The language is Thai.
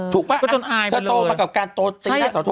ถูกปะเธอโตมากับการตีหน้าเสาทมนี่ปะ